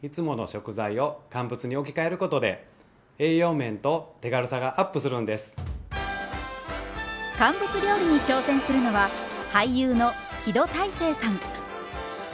肉や魚など乾物料理に挑戦するのは俳優の木戸大聖さん。